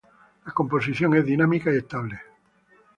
La composición es dinámica y estable.